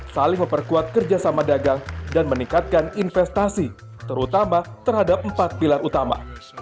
saling memperkuat kerjasama dagang dan meningkatkan investasi terutama terhadap empat pilar utama